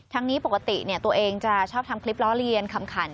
นี้ปกติตัวเองจะชอบทำคลิปล้อเลียนคำขัน